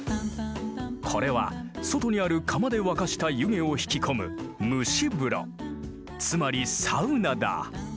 これは外にある釜で沸かした湯気を引き込む蒸し風呂つまりサウナだ。